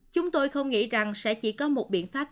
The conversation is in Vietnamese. chúng tôi không nghĩ rằng sẽ chỉ có một biện pháp